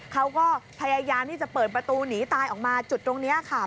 เขาก็พยายามที่จะเปิดประตูหนีตายออกมาจุดตรงนี้ค่ะ